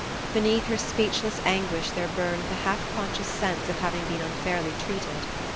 Beneath her speechless anguish there burned the half conscious sense of having been unfairly treated.